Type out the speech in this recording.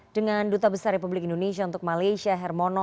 dengan duta besar republik indonesia untuk malaysia hermono